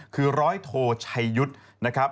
คือร้อยโทชัยยุทธ์นะครับ